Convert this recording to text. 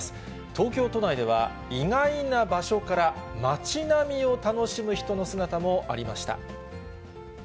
東京都内では、意外な場所から、街並みを楽しむ人の姿もありました。